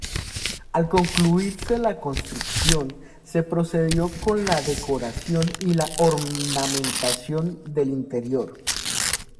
Al concluirse la construcción, se procedió con la decoración y la ornamentación del interior.